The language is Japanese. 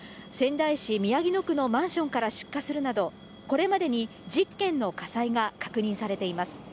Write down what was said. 仙台市宮城野区のマンションから出火するなど、これまでに１０件の火災が確認されています。